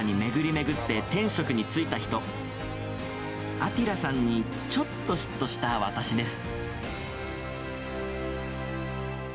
アティラさんにちょっと嫉妬した私です。